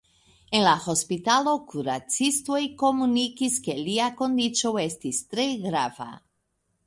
En la hospitalo, kuracistoj komunikis, ke lia kondiĉo estis tre grava.